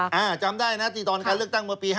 จำได้นะที่ตอนการเลือกตั้งเมื่อปี๕๗